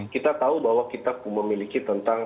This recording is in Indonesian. kita tahu bahwa kita memiliki tentang